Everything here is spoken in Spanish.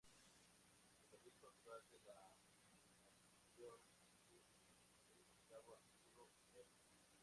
El obispo actual de la arquidiócesis es Gustavo Arturo Help.